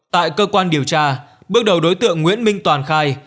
tại cơ quan điều tra bước đầu đối tượng nguyễn minh toàn khai